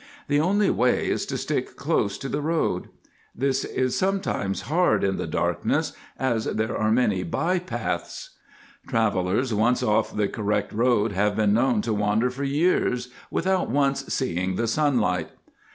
The only way is to stick close to the road. This is sometimes hard in the darkness as there are many by paths. Travellers once off the correct road have been known to wander for years without once seeing the sunlight.